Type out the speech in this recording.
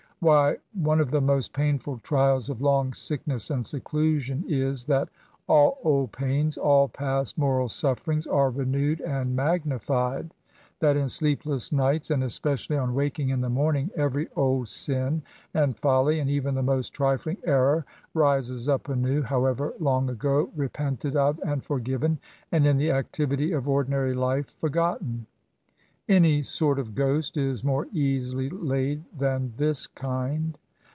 Why, one of the most painful trials of long sickness and seclusion is, that all old pains/ all past moral sufferings, are renewed and magni fied; that in sleepless nights, and especially on' waking in the morning, every old sin and folly, and even the most trifling error, rises up anew, however long ago repented of and forgiven, and, in the activity of ordinary life, forgotten. Any sort: of ghost is more easily laid than this kind.